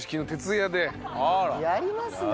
やりますね！